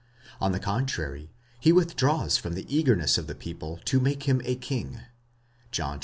On the contrary, he withdraws from. the eagerness of the people to make him a king (John vi.